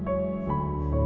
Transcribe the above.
aku harus kabur mak